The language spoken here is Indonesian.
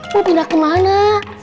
mau pindah ke mana